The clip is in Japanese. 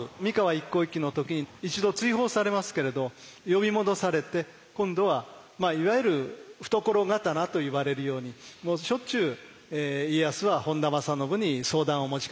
一向一揆の時に一度追放されますけれど呼び戻されて今度はいわゆる懐刀といわれるようにもうしょっちゅう家康は本多正信に相談を持ちかけていく。